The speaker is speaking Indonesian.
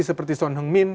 seperti son heung min